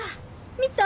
見た？